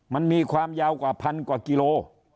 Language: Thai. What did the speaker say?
มันมีความยาวกว่าพันกว่ากิโล